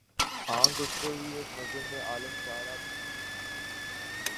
آنکھ اٹھتے ہی ایک نظر میں عالم سارا گزرے تھا